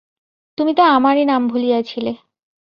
তুমি তো আমারই নাম ভুলিয়াছিলে।